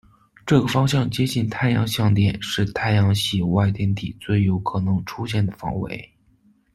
这个方向接近太阳向点，是太阳系外天体最有可能出现的方位。